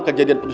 ketua ger prabu